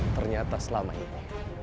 ternyata selama ini